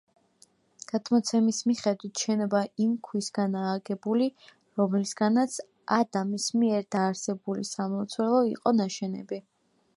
გადმოცემის მიხედვით შენობა იმ ქვისგანაა აგებული, რომლისგანაც ადამის მიერ დაარსებული სამლოცველო იყო ნაშენები.